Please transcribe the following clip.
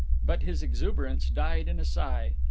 But his exuberance died in a sigh.